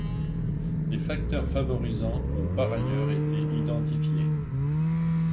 Des facteurs favorisants ont par ailleurs été identifiés.